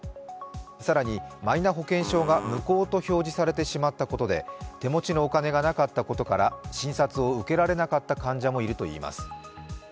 更に、マイナ保険証が無効と表示されてしまったことで手持ちのお金がなかったことから診察を受けられなかった患者もいるといいます。